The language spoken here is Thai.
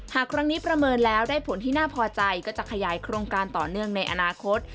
หากครั้งนี้ประเมินแล้วได้ผลที่น่าพอใจก็จะขยายโครงการต่อเนื่องในอนาคต